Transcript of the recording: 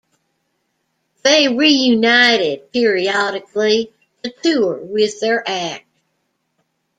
They reunited periodically to tour with their act.